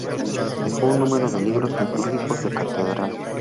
Dejó un número de libros litúrgicos de catedral.